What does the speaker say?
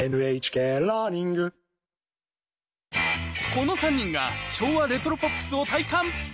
この３人が昭和レトロポップスを体感。